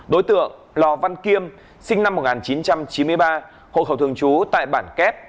đối tượng lò văn kiêm sinh năm một nghìn chín trăm chín mươi ba hộ khẩu thường trú tại bản kép